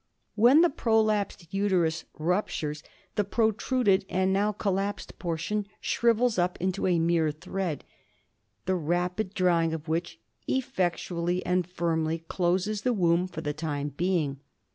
When the prolapsed uterus ruptures, the protruded and now collapsed portion shrivels up into a mere thread, the rapid drying of which effectually and firmly closes the womb for the time being.